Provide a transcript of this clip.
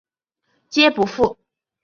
皆不赴。